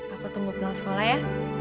aku tunggu pulang sekolah ya